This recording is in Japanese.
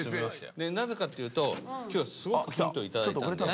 なぜかっていうと今日はすごくヒント頂いたんで。